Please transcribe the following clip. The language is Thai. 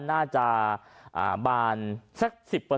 น่าจะบานสัก๑๐